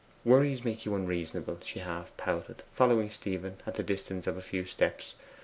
'Worries make you unreasonable,' she half pouted, following Stephen at the distance of a few steps.